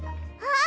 ああ。